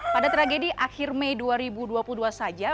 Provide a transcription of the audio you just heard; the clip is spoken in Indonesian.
pada tragedi akhir mei dua ribu dua puluh dua saja